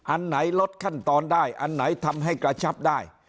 อันไหนลดขั้นตอนได้อันไหนทำให้กระชับได้